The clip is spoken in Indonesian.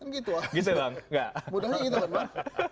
kan gitu lah mudahnya gitu kan pak